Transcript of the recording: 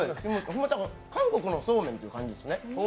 韓国のそうめんって感じですね。